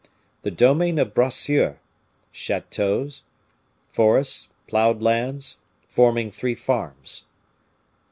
The domain of Bracieux, chateaux, forests, plowed lands, forming three farms.